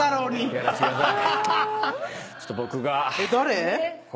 やらせてください。